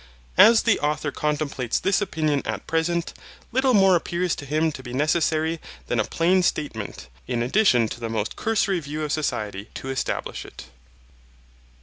As the Author contemplates this opinion at present, little more appears to him to be necessary than a plain statement, in addition to the most cursory view of society, to establish it.